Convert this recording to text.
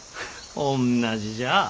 おんなじじゃあ。